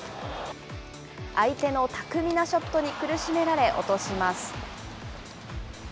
相手の巧みなショットに苦しめられ、落とします。